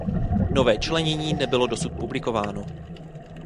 Nové členění nebylo dosud publikováno.